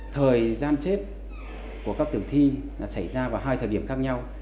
thời gian chết của các tử thi là xảy ra vào hai thời điểm khác nhau